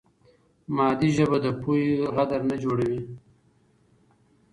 مادي ژبه د پوهې غدر نه جوړوي.